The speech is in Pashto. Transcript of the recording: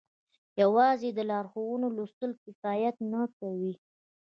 يوازې د لارښوونو لوستل کفايت نه کوي.